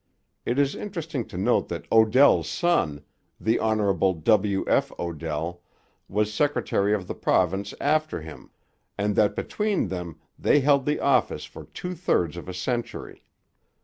It is interesting to note that Odell's son, the Hon. W. F. Odell, was secretary of the province after him, and that between them they held the office for two thirds of a century.